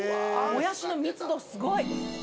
もやしの密度すごい。